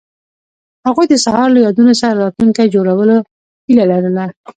هغوی د سهار له یادونو سره راتلونکی جوړولو هیله لرله.